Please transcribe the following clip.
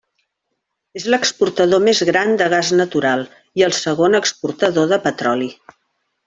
És l'exportador més gran de gas natural i el segon exportador de petroli.